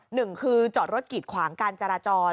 หนึ่งคือจอดรถกีดขวางการจราจร